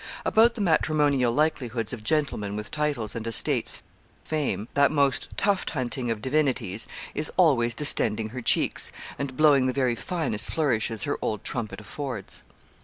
About the matrimonial likelihoods of gentlemen with titles and estates Fame, that most tuft hunting of divinities, is always distending her cheeks, and blowing the very finest flourishes her old trumpet affords.